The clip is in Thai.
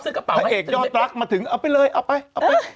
กระเป๋าพระเอกยอดรักมาถึงเอาไปเลยเอาไปเอาไป